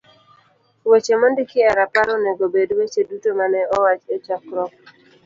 Weche mondiki e rapar onego obed weche duto ma ne owach e chokruok.